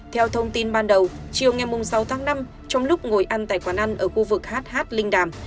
theo thông tin ban đầu chiều ngày sáu tháng năm trong lúc ngồi ăn tại quán ăn ở khu vực hh linh đàm